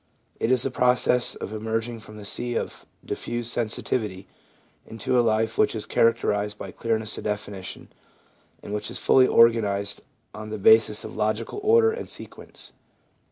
It is a process of emerging from the sea of diffused sensitivity into a life which is characterised by clearness of definition, and which is fully organised on the basis of logical order and sequence.